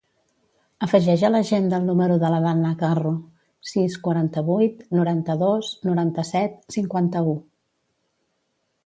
Afegeix a l'agenda el número de la Danna Carro: sis, quaranta-vuit, noranta-dos, noranta-set, cinquanta-u.